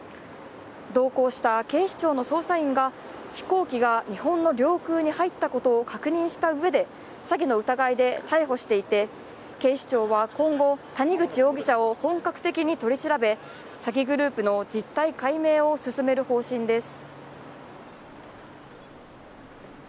同行した警視庁の捜査員が飛行機が日本の領空に入ったことを確認したうえで詐欺の疑いで逮捕していて、警視庁は今後、谷口容疑者を本格的に取り調べ詐欺グループの実態解明を進める方針です。